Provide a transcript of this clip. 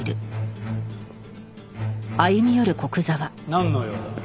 なんの用だ？